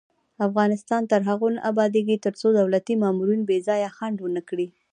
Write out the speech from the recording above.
افغانستان تر هغو نه ابادیږي، ترڅو دولتي مامورین بې ځایه ځنډ ونه کړي.